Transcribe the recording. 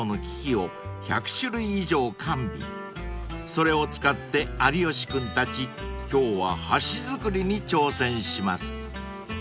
［それを使って有吉君たち今日は箸づくりに挑戦します］